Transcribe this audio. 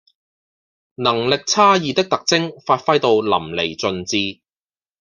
能力差異的特徵發揮到淋漓盡致